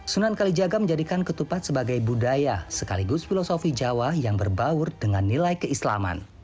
sunan kalijaga menjadikan ketupat sebagai budaya sekaligus filosofi jawa yang berbaur dengan nilai keislaman